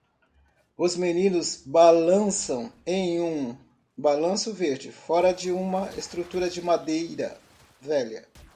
Os meninos balançam em um balanço verde fora de uma estrutura de madeira velha.